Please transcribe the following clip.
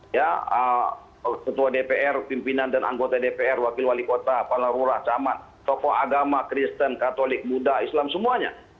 ya ketua dpr pimpinan dan anggota dpr wakil wali kota palaurah camat tokoh agama kristen katolik buddha islam semuanya